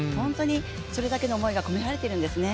それだけの思いが込められているんですね。